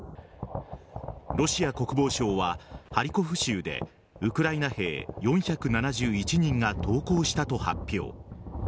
ロシア国防省はハリコフ州でウクライナ兵４７１人が投降したと発表。